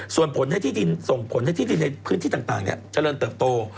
ส่วนส่งผลในพื้นที่ต่างจะเริ่มเติบโต